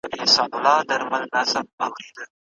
تاسو ولې وروسته پاتې شئ؟